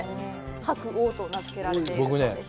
白皇と名づけられているそうです。